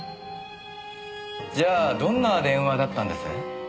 じゃあどんな電話だったんです？